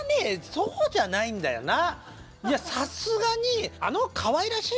そうじゃないんだよな。